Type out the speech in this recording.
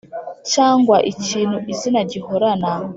cyangwa ikintu izina gihorana,